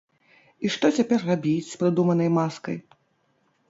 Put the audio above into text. І што цяпер рабіць з прыдуманай маскай?